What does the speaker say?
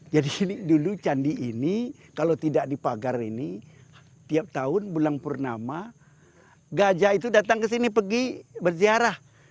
jadi dulu candi ini kalau tidak dipagar ini tiap tahun bulan purnama gajah itu datang ke sini pergi berziarah